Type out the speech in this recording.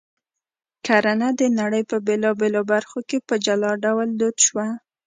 کرنه د نړۍ په بېلابېلو برخو کې په جلا ډول دود شوه